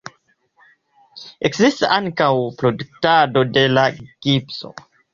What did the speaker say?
Ekzistis ankaŭ produktado de gipso.